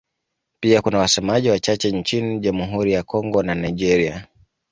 Pia kuna wasemaji wachache nchini Jamhuri ya Kongo na Nigeria.